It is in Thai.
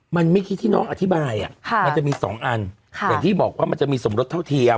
มันเมื่อกี้ที่น้องอธิบายมันจะมีสองอันอย่างที่บอกว่ามันจะมีสมรสเท่าเทียม